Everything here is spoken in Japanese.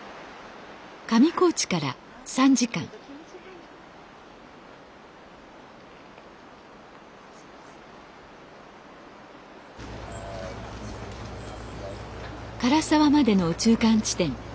上高地から３時間涸沢までの中間地点